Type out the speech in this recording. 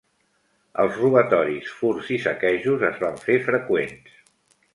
Els robatoris, furts i saquejos es van fer freqüents.